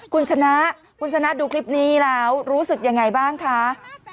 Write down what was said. คุณชนะคุณชนะดูคลิปนี้แล้วรู้สึกยังไงบ้างคะ